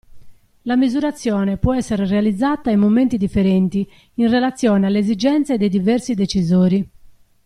La misurazione può essere realizzata in momenti differenti in relazione alle esigenze dei diversi decisori.